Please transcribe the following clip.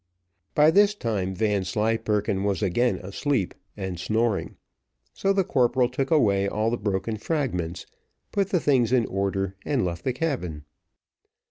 By this time Vanslyperken was again asleep and snoring; so the corporal took away all the broken fragments, put the things in order, and left the cabin.